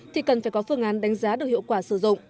thì cần phải có phương án đánh giá được hiệu quả sử dụng